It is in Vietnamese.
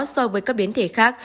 so với các biến thể khác